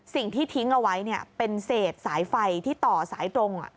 สิ่งที่ทิ้งเอาไว้เนี่ยเป็นเศษสายไฟที่ต่อสายตรง